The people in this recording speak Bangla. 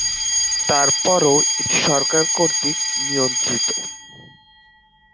তারপরও এটি সরকার কর্তৃক নিয়ন্ত্রিত।